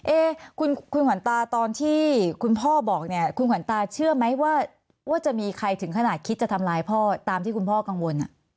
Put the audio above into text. เอ๊คุณขวัญตาตอนที่คุณพ่อบอกเนี่ยคุณขวัญตาเชื่อไหมว่าจะมีใครถึงขนาดคิดจะทำร้ายพ่อตามที่คุณพ่อกังวล